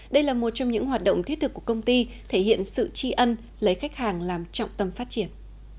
đây là một trong những hoạt động thiết thực của công ty thể hiện sự tri ân lấy khách hàng làm trọng tâm phát triển